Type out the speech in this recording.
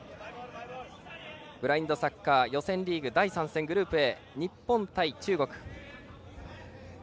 ブラインドサッカー予選リーグ第３戦グループＡ、日本対中国。